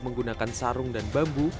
menggunakan sarung dan bambu